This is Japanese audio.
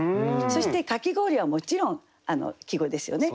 そして「かき氷」はもちろん季語ですよね。